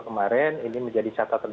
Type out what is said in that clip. kemarin ini menjadi catatan